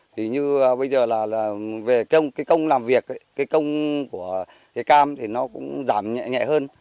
thì như bây giờ là về công làm việc công của cam thì nó cũng giảm nhẹ hơn